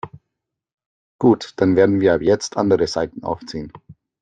Gut, dann werden wir ab jetzt andere Saiten aufziehen.